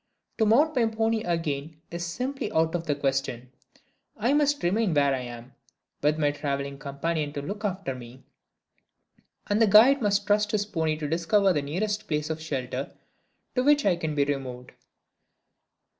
To mount my pony again is simply out of the question. I must remain where I am, with my traveling companion to look after me; and the guide must trust his pony to discover the nearest place of shelter to which I can be removed.